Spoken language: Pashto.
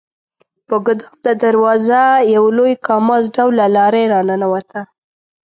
په ګدام د دروازه یو لوی کاماز ډوله لارۍ راننوته.